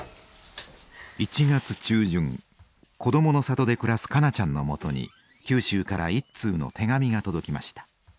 １月中旬「こどもの里」で暮らす香菜ちゃんのもとに九州から１通の手紙が届きました。